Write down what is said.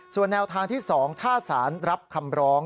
ส่วนแนวทางที่๒ทศนรับคำร้อง